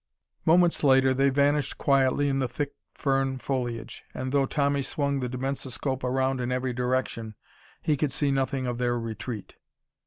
Moments later they vanished quietly in the thick fern foliage, and though Tommy swung the dimensoscope around in every direction, he could see nothing of their retreat.